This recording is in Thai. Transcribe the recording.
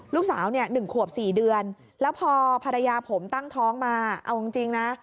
ลูกสาวเนี่ย๑ขวบ๔เดือนแล้วพอภรรยาผมตั้งท้องมาเอาจริงนะ